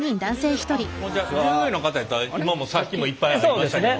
従業員の方やったらさっきもいっぱい会いましたけど。